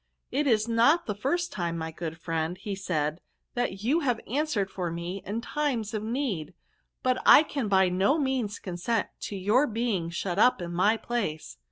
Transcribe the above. * It is not the first time, my good friend,' said he, ' that you have answered for me in times of need, but I can by no means consent to your being shut up in my place.'"